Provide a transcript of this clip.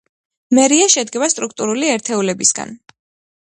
მერია შედგება სტრუქტურული ერთეულებისგან.